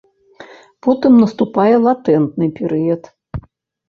Потым наступае латэнтны перыяд.